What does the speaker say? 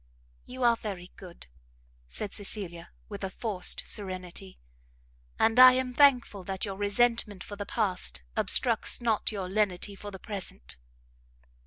"You are very good," said Cecilia, with a forced serenity, "and I am thankful that your resentment for the past obstructs not your lenity for the present."